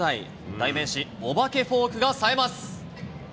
代名詞、お化けフォークがさえます。